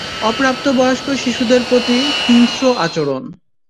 অপ্রাপ্তবয়স্ক শিশুদের প্রতি হিংস্র আচরণ।